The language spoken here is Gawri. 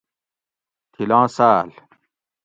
تھِلاں ساٞل